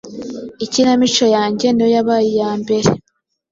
ikinamico yanjye niyo yabaye iya mbere